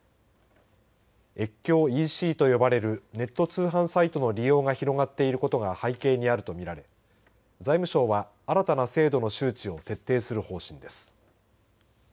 越境ＥＣと呼ばれるネット通販サイトの利用が広がっていることが背景にあると見られ財務省は新たな制度の周知を徹底する方針です。